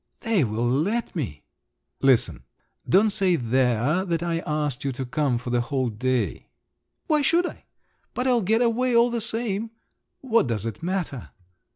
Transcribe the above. "They will let me!" "Listen … Don't say there that I asked you to come for the whole day." "Why should I? But I'll get away all the same! What does it matter?"